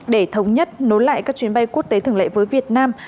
để thống nhất nối lại các chuyến bay quốc tế thường lệ với việt nam